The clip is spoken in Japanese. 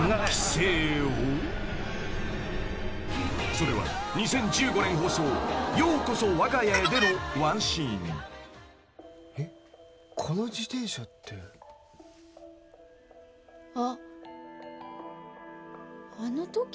［それは２０１５年放送『ようこそ、わが家へ』での１シーン］えっ？あっ。